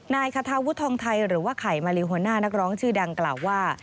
นายคทาวุทธองไทยหรือไขมาลีโฮน่านักร้องชื่อดังกล่าวว่า